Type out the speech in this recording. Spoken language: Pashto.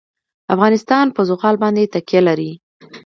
افغانستان په زغال باندې تکیه لري.